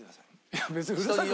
いや別にうるさくないよ。